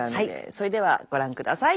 それではご覧下さい。